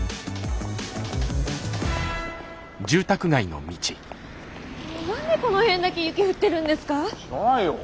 もう何でこの辺だけ雪降ってるんですか？